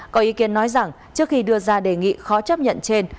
có ý kiến nói rằng trước khi đưa ra đề nghị khó chấp nhận trên